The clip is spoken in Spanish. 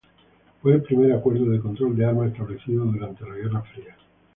Fue el primer acuerdo de control de armas establecido durante la guerra Fría.